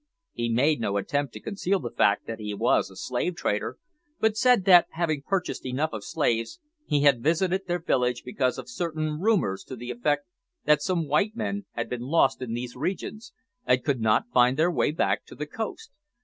He made no attempt to conceal the fact that he was a slave trader, but said that, having purchased enough of slaves, he had visited their village because of certain rumours to the effect that some white men had been lost in these regions, and could not find their way back to the coast.